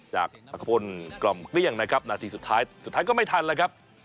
จากตะคนกล่อมเกลี้ยงนะครับนาทีสุดท้ายสุดท้ายก็ไม่ทันแล้วครับ